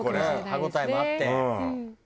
歯応えもあって。